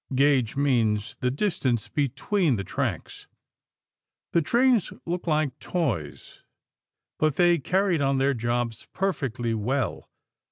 (Gauge means the distance between the tracks.) The trains looked like toys, but they carried on their jobs perfectly well.